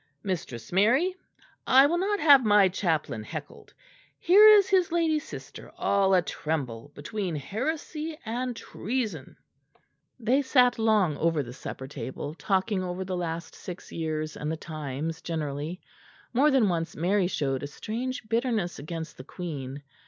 Mistress Mary, I will not have my chaplain heckled; here is his lady sister all a tremble between heresy and treason." They sat long over the supper table, talking over the last six years and the times generally. More than once Mary showed a strange bitterness against the Queen.